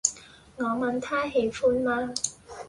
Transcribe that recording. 我問他喜歡嗎